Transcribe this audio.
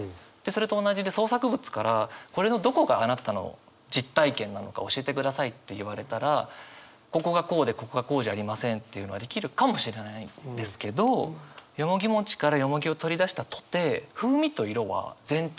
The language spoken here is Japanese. それと同じで創作物からこれのどこがあなたの実体験なのか教えてくださいって言われたらここがこうでここがこうじゃありませんっていうのはできるかもしれないですけどよもぎからよもぎを取り出したとて